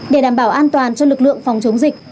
để đảm bảo an toàn cho lực lượng phòng chống dịch